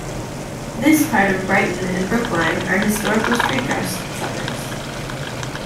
This part of Brighton and Brookline are historical streetcar suburbs.